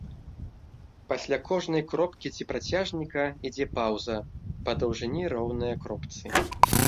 Пасля кожнай кропкі ці працяжніка ідзе паўза, па даўжыні роўная кропцы.